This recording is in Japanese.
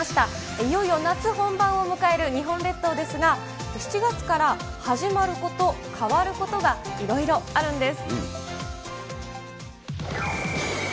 いよいよ夏本番を迎える日本列島ですが、７月から始まること、変わることがいろいろあるんです。